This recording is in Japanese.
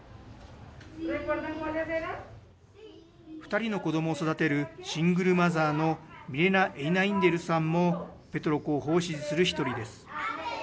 ２人の子どもを育てるシングルマザーのミレナ・エイナインデルさんもペトロ候補を支持する一人です。